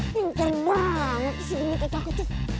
pinter banget sih gendut otak otak